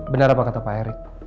benar apa kata pak erick